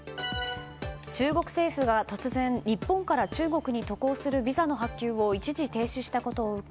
中国政府が突然日本から中国に渡航するビザの発給を一時停止したことを受け